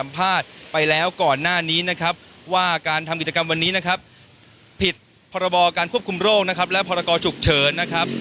ผิดพรบอการควบคุมโรคนะครับและพรกอฉุกเฉินนะครับ